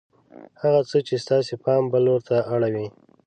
هغه څه چې ستاسې پام بل لور ته اړوي